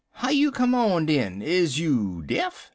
"'How you come on, den? Is you deaf?'